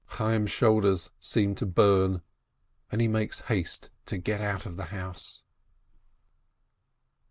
Chayyim's shoulders seem to burn, and he makes haste to get out of the house.